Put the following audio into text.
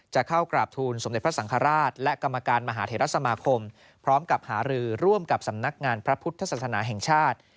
จะเข้ากราบทูลสมเด็จพระสังฆราชและกรรมการมหาเทรสมาคมพร้อมกับหารือร่วมกับสำนักงานพระพุทธศาสนาแห่งชาติ